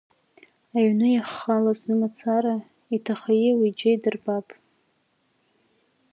Аҩны иаххалаз зымацара, иҭахи иуеи џьеи дырбап…